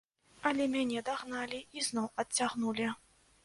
Але мяне дагналі і зноў адцягнулі.